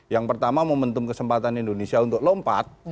yang pertama momentum kesempatan indonesia untuk lompat